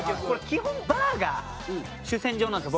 基本バーが主戦場なんですよ